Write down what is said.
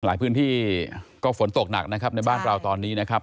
หลายพื้นที่ก็ฝนตกหนักนะครับในบ้านเราตอนนี้นะครับ